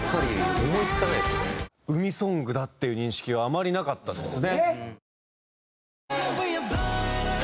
海ソングだっていう認識はあまりなかったですね。